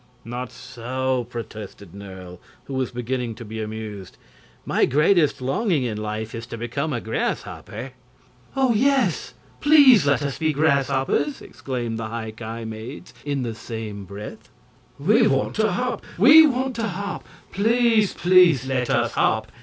"Not so!" protested Nerle, who was beginning to be amused. "My greatest longing in life is to become a grasshopper." "Oh, yes! PLEASE let us be grasshoppers!" exclaimed the High Ki maids in the same breath. "We want to hop! We want to hop! Please PLEASE let us hop!"